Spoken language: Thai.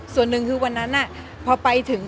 ส่วนหนึ่งคือวันนั้นพอไปถึง